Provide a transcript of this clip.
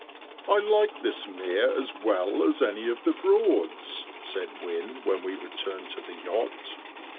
"I like this Mere as well as any of the Broads," said Wynne, when we returned to the yacht.